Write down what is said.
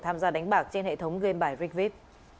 tham gia đánh bạc trên hệ thống game bài rigvip